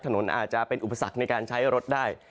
ถนนอาจจะเป็นอุปสรรคในการใช้รถได้